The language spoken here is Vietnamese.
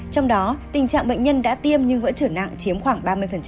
trong đó tình trạng bệnh nhân đã tiêm nhưng vẫn trở nặng chiếm khoảng ba mươi